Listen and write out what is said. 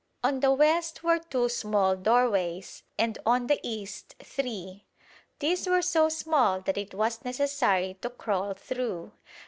On the west were two small doorways, and on the east three. These were so small that it was necessary to crawl through.